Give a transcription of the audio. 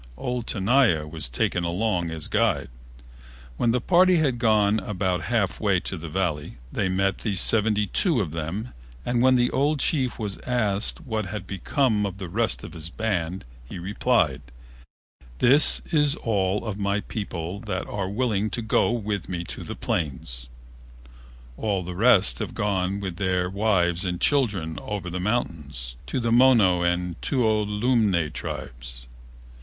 Old Tenaya was taken along as guide. When the party had gone about half way to the Valley they met the Yosemites on their way to the camp on the south fork. There were only seventy two of them and when the old chief was asked what had become of the rest of his band, he replied, "This is all of my people that are willing to go with me to the plains. All the rest have gone with their wives end children over the mountains to the Mono and Tuolumne tribes."